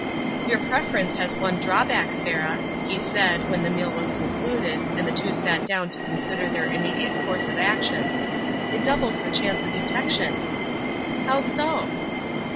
"Your preference has one drawback, Sarah," he said, when the meal was concluded, and the two sat down to consider their immediate course of action, "it doubles the chance of detection." "How so?"